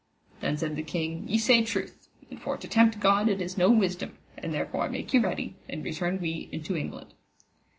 Then said the king, Ye say truth, and for to tempt God it is no wisdom, and therefore make you ready and return we into England.